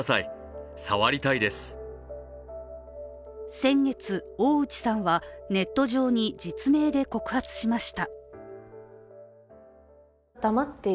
先月、大内さんはネット上に実名で告発しました。